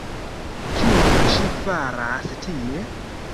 Kion ŝi faras tie?